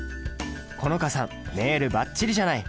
好花さんメールばっちりじゃない！